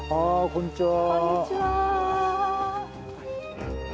こんにちは。